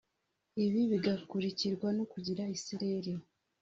ibi bigakurikirwa no kugira isereri